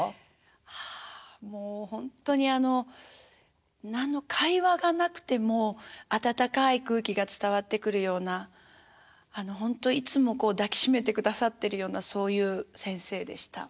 はあほんとにあの会話がなくてもあたたかい空気が伝わってくるようなほんといつも抱き締めてくださってるようなそういう先生でした。